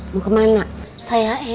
nanti tete pulangnya naik apa